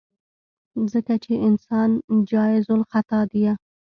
ځکه چې انسان جايزالخطا ديه.